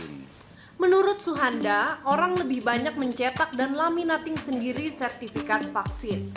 menurut suhanda orang lebih banyak mencetak dan laminating sendiri sertifikat vaksin